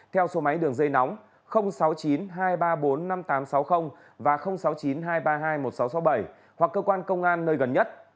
theo số máy đường dây nóng sáu mươi chín hai trăm ba mươi bốn năm nghìn tám trăm sáu mươi và sáu mươi chín hai trăm ba mươi hai một nghìn sáu trăm sáu mươi bảy hoặc cơ quan công an nơi gần nhất